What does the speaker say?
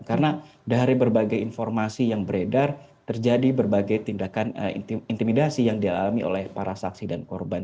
karena dari berbagai informasi yang beredar terjadi berbagai tindakan intimidasi yang dialami oleh para saksi dan korban